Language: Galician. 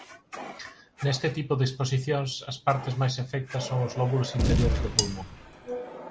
Neste tipo de exposicións as partes máis afectas son os lóbulos inferiores do pulmón.